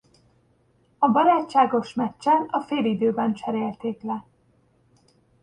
A barátságos meccsen a félidőben cserélték le.